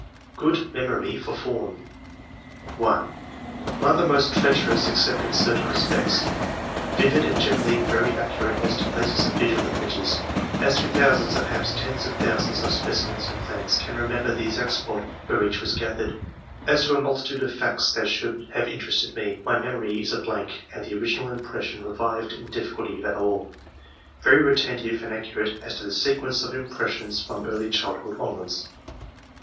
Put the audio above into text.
Good memory for form. I .'' Memory most treacherous except in certain respects. Vivid and generally very accurate as I 114 ENGLISH MEN OF SCIENCE, [chap. to places and visual images. As to thousands and perhaps tens of thousands of specimens and plants, can remember the exact spot where each was gathered. As to a multitude of facts that should have interested me, my memory is a blank and the original impression revived with difficulty if at all. ... Very retentive and accurate as to the sequence of impressions from early childhood onwards.